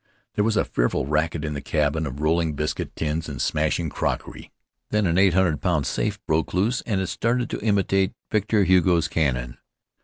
There was a fearful racket in the cabin of rolling biscuit tins and smashing crockery. Then an eight hundred pound safe broke loose and started to imitate Victor Hugo's cannon.